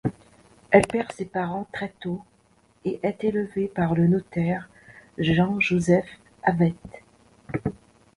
Elle perd ses parents très tôt et est élevée par le notaire Jean-Joseph Avet.